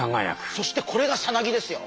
そしてこれがさなぎですよ！